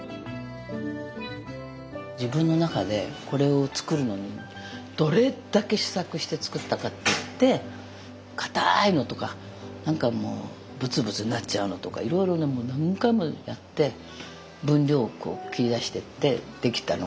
自分の中でこれを作るのにどれだけ試作して作ったかっていってかたいのとか何かもうブツブツなっちゃうのとかいろいろ何回もやって分量切り出してって出来たのがこれなの。